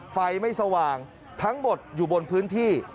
ไฟไม่สว่างทั้งหมดอยู่บนพื้นที่